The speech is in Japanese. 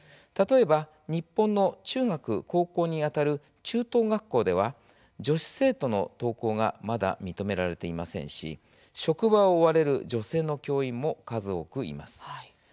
例えば日本の中学、高校にあたる中等学校では女子生徒の登校がまだ認められていませんし職場を追われる女性の教員も数多くいます。